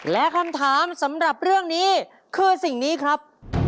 และคำถามสำหรับเรื่องนี้คือสิ่งนี้ครับ